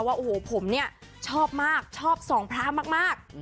ว่าโอ้โหผมเนี่ยชอบมากชอบสองพระมาก